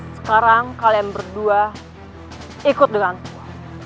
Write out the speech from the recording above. sekarang kalian berdua ikut denganku